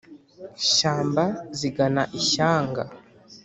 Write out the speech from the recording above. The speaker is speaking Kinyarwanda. shyamba zigana ishyanga